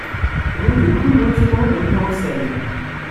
Rue de Poulbretion au numéro seize